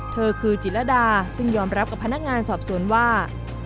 เธอคือจิตรดาซึ่งยอมรับกับพนักงานสอบสวนว่า